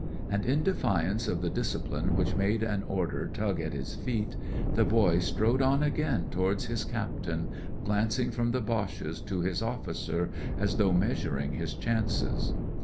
— and, in defiance of the discipUne which made an order tug at his feet, the boy strode on again towards his captain, glancing from the Boches to his officer, as though measuring his chances.